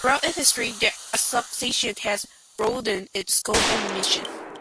Throughout its history, the association has broadened its scope and mission.